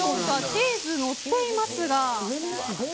チーズのっていますが。